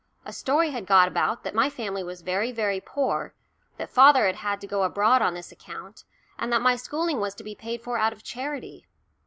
A story had got about that my family was very, very poor, that father had had to go abroad on this account, and that my schooling was to be paid for out of charity.